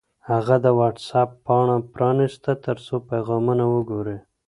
هغه د وټس-اپ پاڼه پرانیسته ترڅو پیغامونه وګوري.